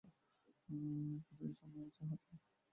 কতদিন সময় আছে হাতে?